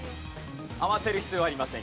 慌てる必要ありませんよ。